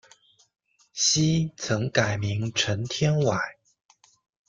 昔曾改名陈天崴。